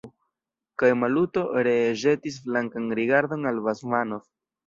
Kaj Maluto ree ĵetis flankan rigardon al Basmanov.